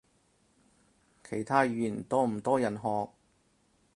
其他語言多唔多人學？